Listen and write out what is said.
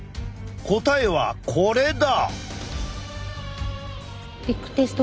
答えはこれだ！